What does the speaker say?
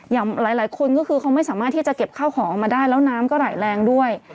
อย่างหลายคนก็คือเขาไม่สามารถที่จะเก็บข้าวของออกมาได้แล้วน้ำก็ไหลแรงด้วย